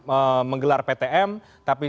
ee menggelar ptm tapi